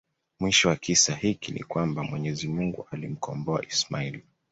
mwisho wa kisa hiki ni kwamba MwenyeziMungu alimkomboa Ismail